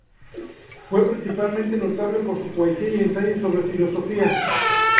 Fue principalmente notable por su poesía y ensayos sobre filosofía.